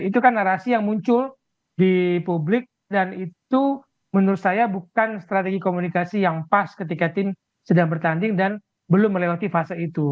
itu kan narasi yang muncul di publik dan itu menurut saya bukan strategi komunikasi yang pas ketika tim sedang bertanding dan belum melewati fase itu